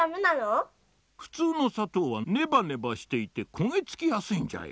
ふつうのさとうはねばねばしていてこげつきやすいんじゃよ。